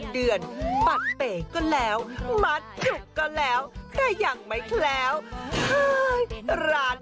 เดือนปัดเป๋ก็แล้วมัดจุกก็แล้วแต่ยังไม่แคล้วเฮ้ยร้าน